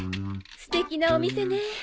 すてきなお店ね。